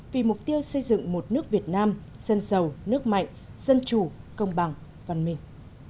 vì mục tiêu xây dựng một nước việt nam dân giàu nước mạnh dân chủ công bằng văn minh